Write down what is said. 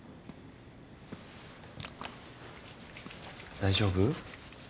大丈夫？